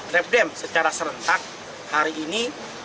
repdem secara serentak hari ini